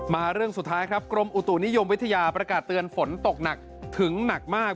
เรื่องสุดท้ายครับกรมอุตุนิยมวิทยาประกาศเตือนฝนตกหนักถึงหนักมาก